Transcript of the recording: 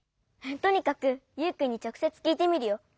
とにかくユウくんにちょくせつきいてみるよ。